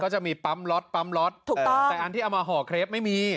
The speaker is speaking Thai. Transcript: ก็จะมีปั๊มล็อตแต่อันที่เอามาห่อเคร็บไม่มี